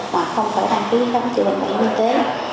mà không phải đăng ký khám chữa bệnh bộ y tế